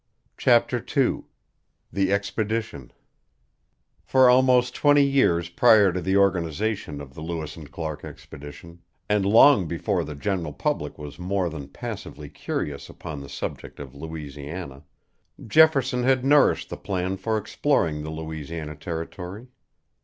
CHAPTER II THE EXPEDITION For almost twenty years prior to the organization of the Lewis and Clark expedition, and long before the general public was more than passively curious upon the subject of Louisiana, Jefferson had nourished the plan for exploring the Louisiana Territory.